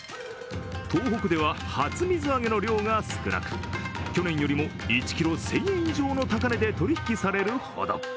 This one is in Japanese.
東北では、初水揚げの量が少なく、去年よりも１ｋｇ１０００円以上の高値で取り引きされるほど。